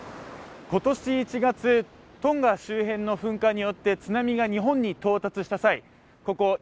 今年１月、トンガ周辺の噴火によって津波が日本に到達した際ここ